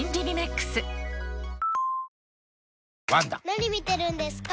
・何見てるんですか？